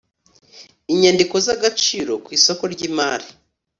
inyandiko z agaciro ku isoko ry imari